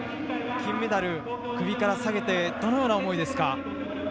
金メダル首から提げてどのような思いですか。